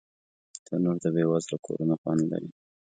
تنور د بې وزلو کورونو خوند لري